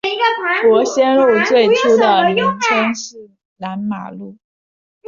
伯先路最初的名称是南马路。